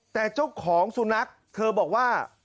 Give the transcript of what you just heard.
แต่เจ้าของสุนัขเธอบอกว่า